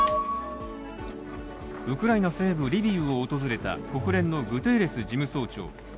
ウクライナ西部リビウを訪れた国連のグテーレス事務総長。